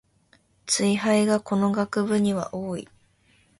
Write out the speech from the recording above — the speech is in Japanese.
ツイ廃がこの学部には多い